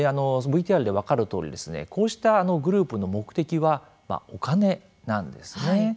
ＶＴＲで分かるとおりこうしたグループの目的はお金なんですね。